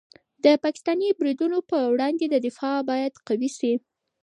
د پاکستاني بریدونو په وړاندې دفاع باید قوي شي.